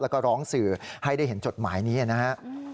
แล้วก็ร้องสื่อให้ได้เห็นจดหมายนี้นะครับ